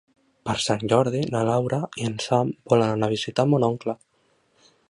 Per Sant Jordi na Laura i en Sam volen anar a visitar mon oncle.